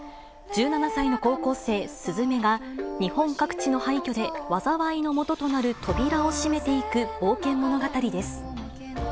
１７歳の高校生、鈴芽が、日本各地の廃虚で災いのもととなる扉を閉めていく冒険物語です。